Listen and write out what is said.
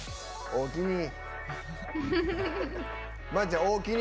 おおきに！